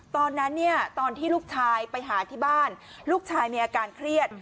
ตอนนั้นเนี่ยตอนที่ลูกชายไปหาที่บ้านลูกชายมีอาการเครียด